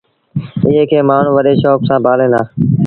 ايئي کي مآڻهوٚݩ وڏي شوڪ سآݩ پآليٚن دآ۔